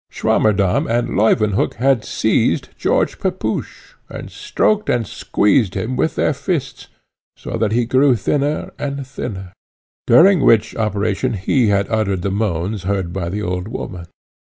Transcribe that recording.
Swammerdamm and Leuwenhock had seized George Pepusch, and stroaked and squeezed him with their fists, so that he grew thinner and thinner; during which operation he had uttered the moans heard by the old woman.